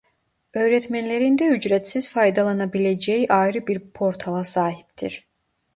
Öğretmenlerin de ücretsiz faydalanabileceği ayrı bir portala sahiptir.